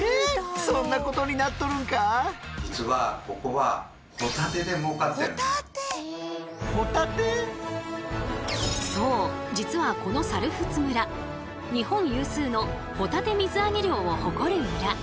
実はここはそう実はこの猿払村日本有数のホタテ水揚げ量を誇る村。